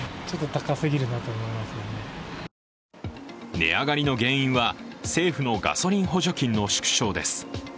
値上がりの原因は政府のガソリン補助金の縮小です。